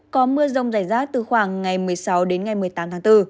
có mưa rông rải rác từ khoảng ngày một mươi sáu đến ngày một mươi tám tháng bốn